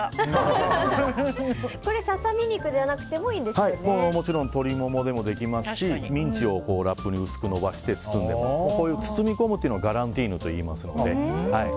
ササミ肉じゃなくてももちろん鶏モモでもできますしミンチをラップで薄く延ばして包んでも、包み込むというのをガランティーヌといいますので。